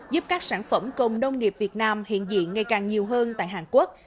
giúp các sản phẩm công nông nghiệp việt nam hiện diện ngày càng nhiều hơn tại hàn quốc